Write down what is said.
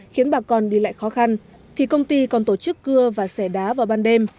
khiến bà con đi lại khó khăn thì công ty còn tổ chức cưa và xẻ đá vào ban đêm